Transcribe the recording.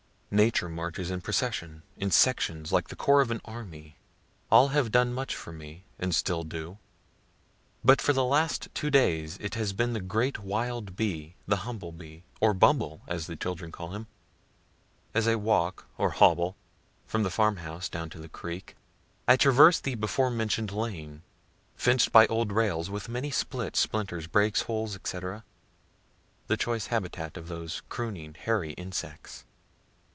_ Nature marches in procession, in sections, like the corps of an army. All have done much for me, and still do. But for the last two days it has been the great wild bee, the humble bee, or "bumble," as the children call him. As I walk, or hobble, from the farm house down to the creek, I traverse the before mention'd lane, fenced by old rails, with many splits, splinters, breaks, holes, &c., the choice habitat of those crooning, hairy insects.